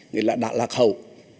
nghĩa là đạ lạc hầu